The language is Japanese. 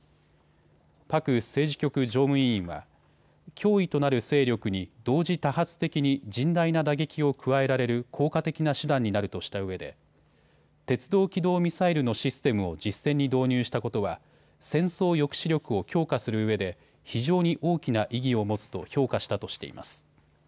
パク政治局常務委員は脅威となる勢力に同時多発的に甚大な打撃を加えられる効果的な手段になるとしたうえで鉄道機動ミサイルのシステムを実戦に導入したことは戦争抑止力を強化するうえで非常に大きな意義を持つと評価したとしています。